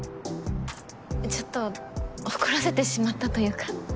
ちょっと怒らせてしまったというか。